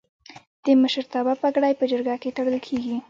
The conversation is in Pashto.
د مشرتابه پګړۍ په جرګه کې تړل کیږي.